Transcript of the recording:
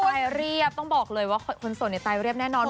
ตายเรียบต้องบอกเลยว่าคนโสดในตายเรียบแน่นอน